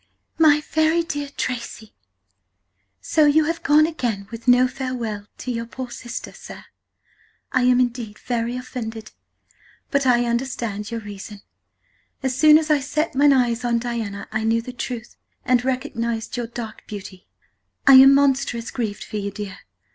"My very dear Tracy, "So you have gone again with no Farewell to yr. poor Sister, sir! I am indeed very offended, but I understand yr. Reason. As soon as I sett mine eyes on Diana I knew the Truth and recognised yr. dark Beauty. I am monstrous grieved for you, dear.